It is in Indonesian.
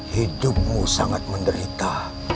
hidupmu sangat menderita